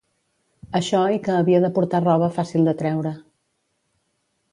Això i que havia de portar roba fàcil de treure.